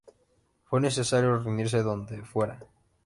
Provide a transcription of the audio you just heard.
Fue necesario reunirse donde fuera.